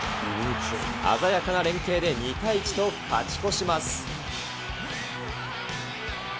鮮やかな連係で、２対１と勝ち越します。